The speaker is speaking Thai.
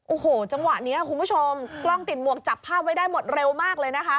โอ้โหจังหวะนี้คุณผู้ชมกล้องติดหมวกจับภาพไว้ได้หมดเร็วมากเลยนะคะ